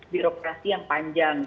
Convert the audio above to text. birokrasi yang panjang